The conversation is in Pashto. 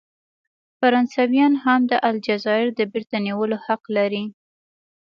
فرانسویان هم د الجزایر د بیرته نیولو حق لري.